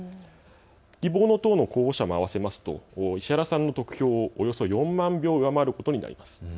希望の党の候補者も合わせますと石原さんの得票をおよそ４万票上回ることになります。